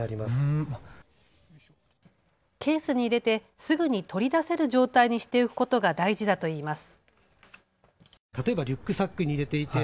ケースに入れてすぐに取り出せる状態にしておくことが大事だといいます。